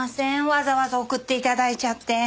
わざわざ送っていただいちゃって。